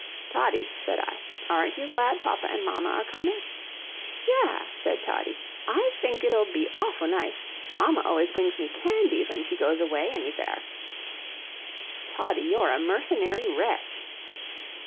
"Toddie," said I, "aren't you glad papa an' mamma are coming?" "Yesh," said Toddie, "I fink it'll be awfoo nish. Mamma always bwings me candy fen she goes away anyfere." "Toddie, you're a mercenary wretch."